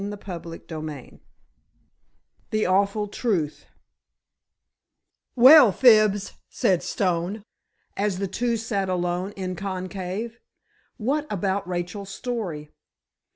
CHAPTER XV THE AWFUL TRUTH "Well, Fibs," said Stone, as the two sat alone in conclave, "what about Rachel's story?"